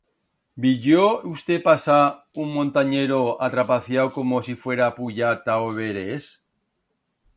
Viyió usté pasar un montanyero atrapaciau como si fuera a puyar ta o Everest?